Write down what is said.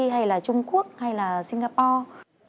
hay là trung quốc hay là singapore